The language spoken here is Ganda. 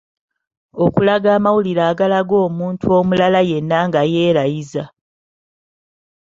Okulaga amawulire agalaga omuntu omulala yenna nga yeerayiza